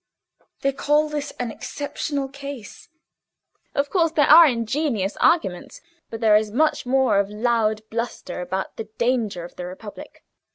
"They call this an exceptional case. Of course there are ingenious arguments, but there is much more of loud bluster about the danger of the Republic.